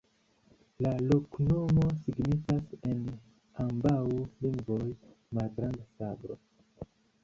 La loknomo signifas en ambaŭ lingvoj: malgranda sablo.